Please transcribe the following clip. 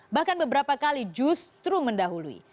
bahkan beberapa kali justru mendahului